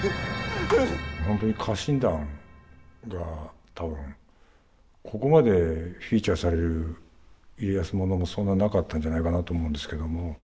本当に家臣団が多分ここまでフィーチャーされる家康物もそんななかったんじゃないかなと思うんですけども。